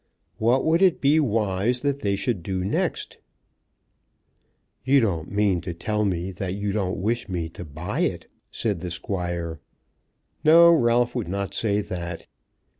What would it be wise that they should do next? "You don't mean to tell me that you don't wish me to buy it?" said the Squire. No; Ralph would not say that.